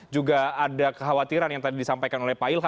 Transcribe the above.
juga ada kekhawatiran yang tadi disampaikan oleh payil